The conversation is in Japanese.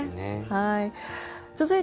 はい。